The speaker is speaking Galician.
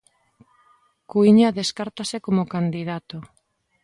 Cuíña descártase como candidato.